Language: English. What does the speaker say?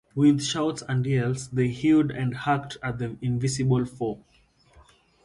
With shouts and yells they hewed and hacked at the invisible foe.